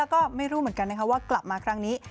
ก็ไม่รู้เหมือนกันนะคะว่ากลับมาครั้งนี้